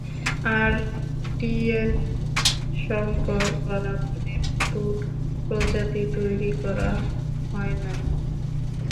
আর DNA সংকর করা, মানে, নতুন প্রজাতি তৈরি করা হয় না?